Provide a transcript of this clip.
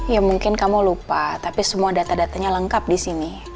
ya mungkin kamu lupa tapi semua data datanya lengkap di sini